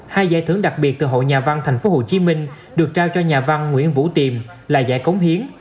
hai giải thưởng đặc biệt từ hội nhà văn thành phố hồ chí minh được trao cho nhà văn nguyễn vũ tiềm là giải cống hiến